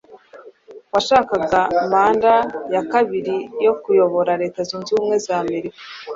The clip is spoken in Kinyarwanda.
washakaga manda ya kabiri yo kuyobora Leta Zunze Ubumwe za Amerika